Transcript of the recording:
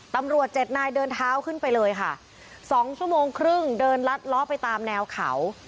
ตำรวจเจ็ดนายเดินเท้าขึ้นไปเลยค่ะสองชั่วโมงครึ่งเดินลัดล้อไปตามแนวเขา